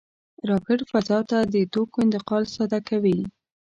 راکټ فضا ته د توکو انتقال ساده کوي